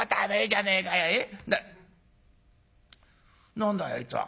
何だいあいつは。